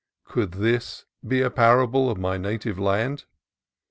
Could this be a parable of my native land?